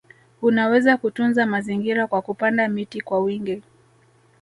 Unaweza kutunza mazingira kwa kupanda miti kwa wingi